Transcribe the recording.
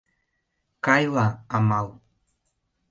Кайла — амал.